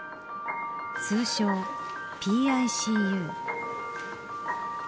通称、ＰＩＣＵ。